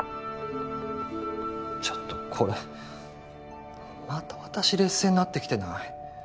ちょっとこれまた私劣勢になってきてない？